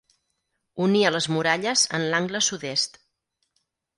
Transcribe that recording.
Unia les muralles en l'angle sud-est.